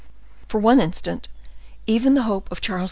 For one instant even the hope of Charles II.